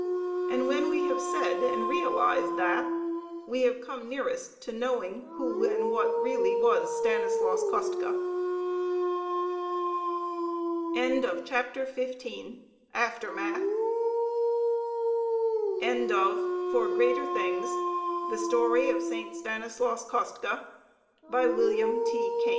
And when we have said and realized that, we have come nearest to knowing who and what really was Stanislaus Kostka. The Project Gutenberg Etext of For Greater Things: The story of Saint Stanislaus Kostka by William T. Kane, S.J.